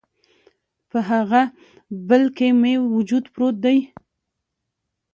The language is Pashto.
په هغه بل کي مې وجود پروت دی